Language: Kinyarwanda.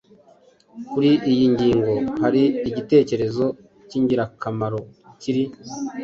Kuri iyi ngingo, hari igitekerezo cy’ingirakamaro kiri